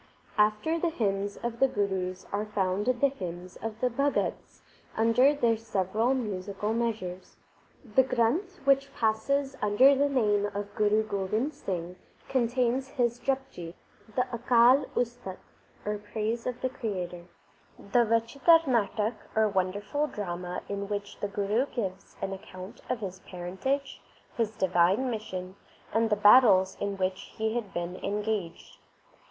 After the hymns of the Gurus are found the hymns of the Bhagats under their several musical measures. The Granth which passes under the name of Guru lii THE SIKH RELIGION Gobind Singh, contains his Japji, the Akal Ustat or praise of the Creator, the Vachitar Natak or Wonderful Drama, in which the Guru gives an account of his parentage, his divine mission, and the battles in which he had been engaged.